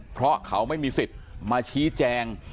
เพราะเขาไม่มีสิทธิ์มาชี้แจง